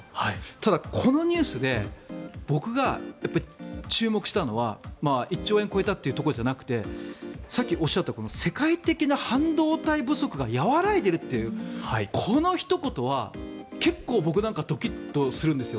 ただ、このニュースで僕がやっぱり注目したのは１兆円超えたというところではなくてさっきおっしゃった世界的な半導体不足が和らいでいるというこのひと言は結構、僕なんかドキッとするんですよ。